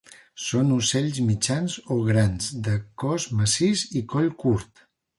Són ocells mitjans o grans, de cos massís i coll curt.